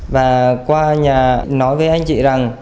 và qua nhà nói với anh chị rằng